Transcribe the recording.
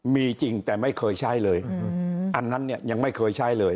มีจริงแต่ไม่เคยใช้เลยอันนั้นเนี่ยยังไม่เคยใช้เลย